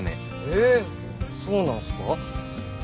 えーそうなんすか？